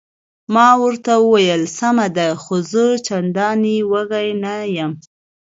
ما ورته وویل: سمه ده، خو زه چندانې وږی نه یم.